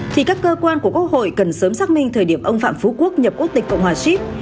thì các cơ quan của quốc hội cần sớm xác minh thời điểm ông phạm phú quốc nhập quốc tịch cộng hòa xít